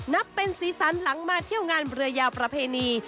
นับเป็นสีสันหลังมาเที่ยวงานเรือยาวประเพณี